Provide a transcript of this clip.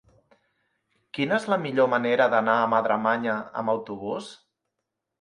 Quina és la millor manera d'anar a Madremanya amb autobús?